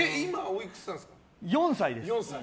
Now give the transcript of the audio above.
４歳です。